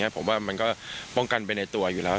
ผมว่ามันก็ป้องกันไปในตัวอยู่แล้ว